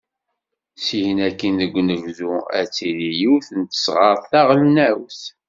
Syin akin deg unebdu, ad tili yiwet n tesɣert taɣelnawt.